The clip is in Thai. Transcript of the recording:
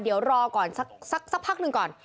เดี๋ยวรอก่อนสักพักหนึ่งก่อน